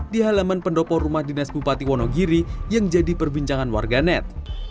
di halaman pendopo rumah dinas bupati wonogiri yang jadi perbincangan warganet